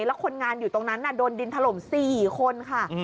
แล้วคนงานอยู่ตรงนั้นโดนดินถล่ม๔คนค่ะ